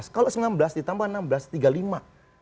kalau sembilan belas ditambah enam belas tiga puluh lima